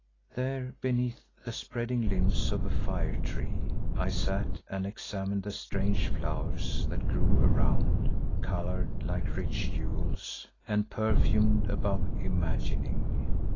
There, beneath the spreading limbs of a fire tree I sat, and examined the strange flowers that grew around, coloured like rich jewels and perfumed above imagining.